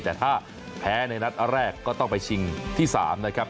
แต่ถ้าแพ้ในนัดแรกก็ต้องไปชิงที่๓นะครับ